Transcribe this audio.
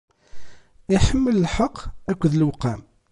Iḥemmel lḥeqq akked lewqam.